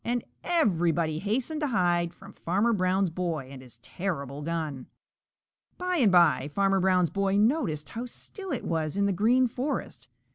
And everybody hastened to hide from Farmer Brown's boy and his terrible gun. By and by Farmer Brown's boy noticed how still it was in the Green Forest.